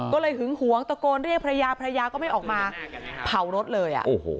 ก็เลยหึงหวงตะโกนเรียกภรรยาภรรยาก็ไม่ออกมาเผารถเลย